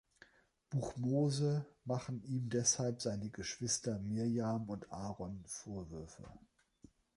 Buch Mose machen ihm deshalb seine Geschwister Mirjam und Aaron Vorwürfe.